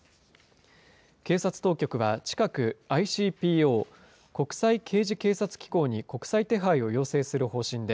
警察当局は近く、ＩＣＰＯ・国際刑事警察機構に国際手配を要請する方針で、